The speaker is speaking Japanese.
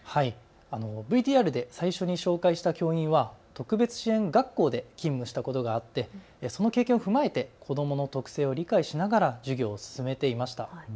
ＶＴＲで最初に紹介した教員は特別支援学校で勤務したことがあって、その経験を踏まえて子どもの特性を理解しながら授業を進めていました。